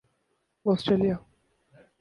Austria